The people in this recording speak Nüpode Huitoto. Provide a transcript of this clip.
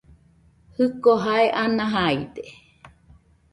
Jiko jae ana jaide.